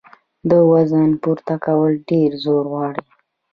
د وزن پورته کول ډېر زور غواړي.